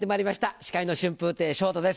司会の春風亭昇太です